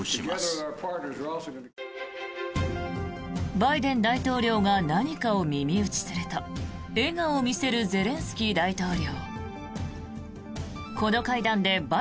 バイデン大統領が何かを耳打ちすると笑顔を見せるゼレンスキー大統領。